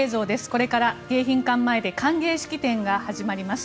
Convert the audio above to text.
これから迎賓館前で歓迎式典が始まります。